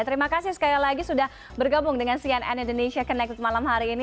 terima kasih sekali lagi sudah bergabung dengan cnn indonesia connected malam hari ini